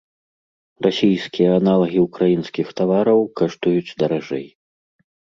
Расійскія аналагі ўкраінскіх тавараў каштуюць даражэй.